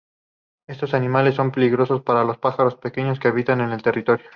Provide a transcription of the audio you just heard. Estos animales son peligrosos para los pájaros pequeños que habitan el territorio.